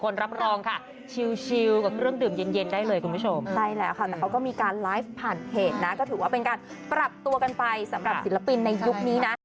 แล้วก็ดูกันไปสำหรับศิลปินในยุคนี้นะ